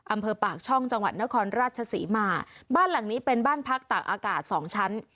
อำเภอปากช่องจังหวัดนครราชศรีมาบ้านหลังนี้เป็นบ้านพักตากอากาศสองชั้น